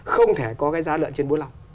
không thể có cái giá lợn trên bốn mươi năm